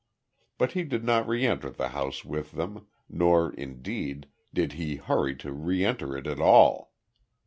But he did not re enter the house with them, nor, indeed, did he hurry to re enter it at all.